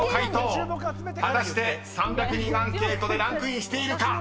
［果たして３００人アンケートでランクインしているか］